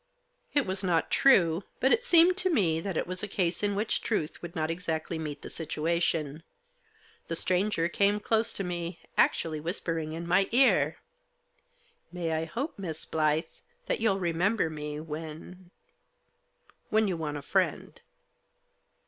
It was not true ; but it seemed to me that it was a case in which truth would not exactly meet the situation. The stranger came close to me, actually whispering in my ear. " May I hope, Miss Blyth, that you'll remember me when — when you want a friend